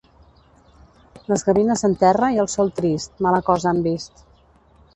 Les gavines en terra i el sol trist, mala cosa han vist.